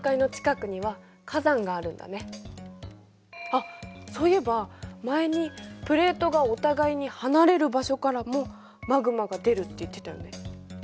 あっそういえば前にプレートがお互いに離れる場所からもマグマが出るって言ってたよね。